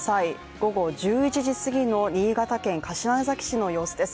午後１１時過ぎの新潟県柏崎市の様子です。